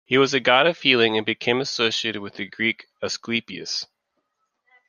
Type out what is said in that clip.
He was a god of healing, and became associated with the Greek Asclepius.